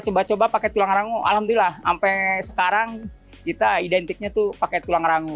coba coba pakai tulang rangu alhamdulillah sampai sekarang kita identiknya tuh pakai tulang rangu